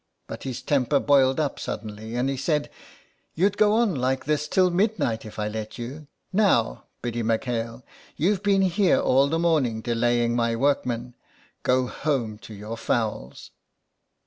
But his temper boiled up suddenly, and he said :—'* You'd go on like this till midnight if I let you. Now, Biddy IMcHale, you've been here all the morning delaying my workman. Go home to your fowls."